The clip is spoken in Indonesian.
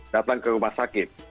datang ke rumah sakit